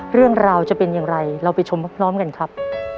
เรื่องราวจะเป็นอย่างไรเราไปชมพร้อมกันครับ